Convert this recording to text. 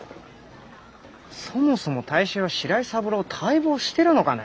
そもそも大衆が白井三郎を待望してるのかね？